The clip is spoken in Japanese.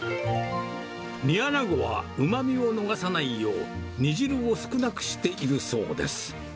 煮アナゴはうまみを逃さないよう、煮汁を少なくしているそうです。